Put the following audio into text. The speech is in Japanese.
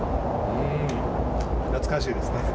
懐かしいですね。